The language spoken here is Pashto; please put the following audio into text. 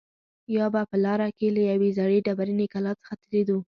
بیا به په لاره کې له یوې زړې ډبرینې کلا څخه تېرېدو.